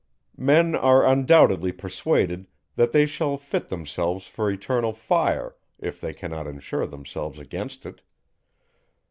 Men are undoubtedly persuaded, that they shall fit themselves for eternal fire, if they cannot insure themselves against it.